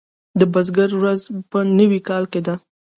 د بزګر ورځ په نوي کال کې ده.